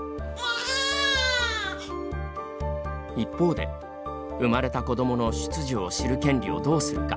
一方で、生まれた子どもの出自を知る権利をどうするか。